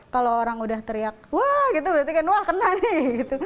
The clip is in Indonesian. kalau orang udah teriak wah berarti kan wah kena nih